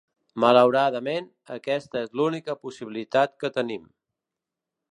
Malauradament, aquesta és l'única possibilitat que tenim.